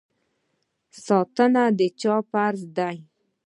ساتنه د چا فرض دی؟